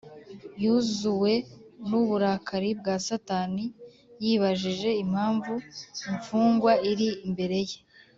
yuzuwe n’uburakari bwa satani yibajije impamvu, imfungwa iri imbere ye